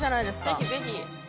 ぜひぜひ。